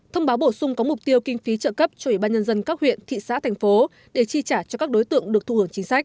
thông báo bổ sung có mục tiêu kinh phí trợ cấp cho ủy ban nhân dân các huyện thị xã thành phố để chi trả cho các đối tượng được thụ hưởng chính sách